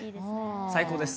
最高です。